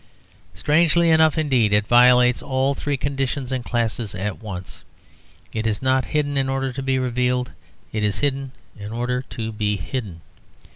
Strangely enough, indeed, it violates all three conditions and classes at once. It is not hidden in order to be revealed: it is hidden in order to be hidden.